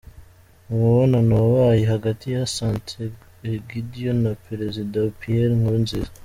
Mu mubonano wabaye hagati ya Sant’Egidio na Perezida Pierre Nkurunziza.